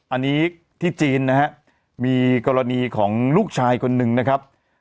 อันนี้ที่จีนนะฮะมีกรณีของลูกชายคนหนึ่งนะครับ